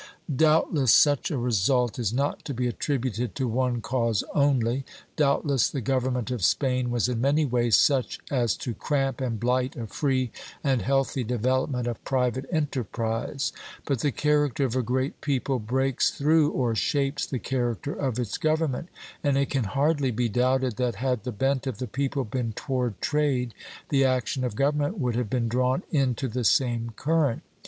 Doubtless such a result is not to be attributed to one cause only. Doubtless the government of Spain was in many ways such as to cramp and blight a free and healthy development of private enterprise; but the character of a great people breaks through or shapes the character of its government, and it can hardly be doubted that had the bent of the people been toward trade, the action of government would have been drawn into the same current.